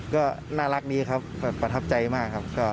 ก็น่ารักดีครับประทับใจมากครับ